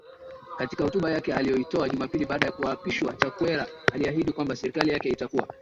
Katika hotuba yake aliyoitowa Jumapili baada ya kuapishwa Chakwera aliahidi kwamba serikali yake itakuwa